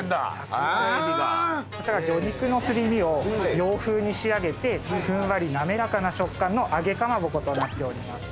こちら魚肉のすり身を洋風に仕上げてふんわり滑らかな食感の揚げかまぼことなっております。